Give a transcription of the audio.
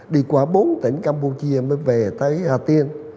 đi qua bốn tỉnh campuchia mới về tới hà tiên